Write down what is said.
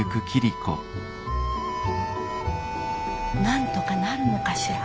なんとかなるのかしら